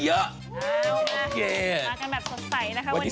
มากันแบบสดใสกันวันนี้